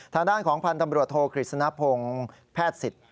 ทางด้านของพันธ์ตำรวจโทกฤษณพงศ์แพทย์สิทธิ์